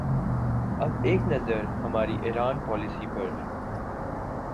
اب ایک نظر ہماری ایران پالیسی پر۔